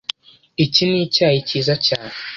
Iki nicyayi cyiza cyane.